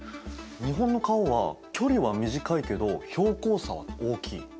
日本の川は距離は短いけど標高差は大きい。